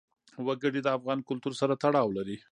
وګړي د افغان کلتور سره تړاو لري.